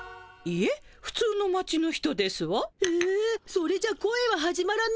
それじゃ恋は始まらないけど。